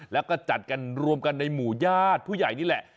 แล้วก็จัดกันรวมกันในหมู่ญาติผู้ใหญ่นี่แหละ